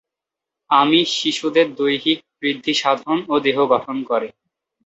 আমিষ শিশুদের দৈহিক বৃদ্ধি সাধন ও দেহ গঠন করে।